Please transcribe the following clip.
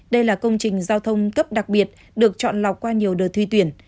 đây là công trình giao thông cấp đặc biệt được chọn lọc qua nhiều đợt thi tuyển